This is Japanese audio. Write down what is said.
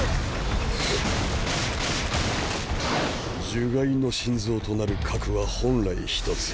呪骸の心臓となる核は本来１つ。